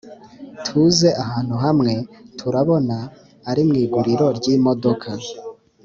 tuze ahantu hamwe turabona arimwiguriro ryimodoka